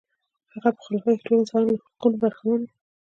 د هغه په خلافت کې ټول انسانان له حقونو برخمن و.